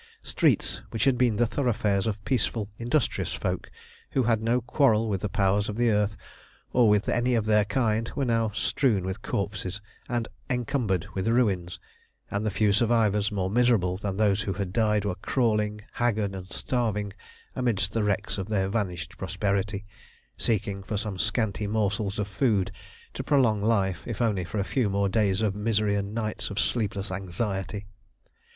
Streets which had been the thoroughfares of peaceful industrious folk, who had no quarrel with the Powers of the earth, or with any of their kind, were now strewn with corpses and encumbered with ruins, and the few survivors, more miserable than those who had died, were crawling, haggard and starving, amidst the wrecks of their vanished prosperity, seeking for some scanty morsels of food to prolong life if only for a few more days of misery and nights of sleepless anxiety.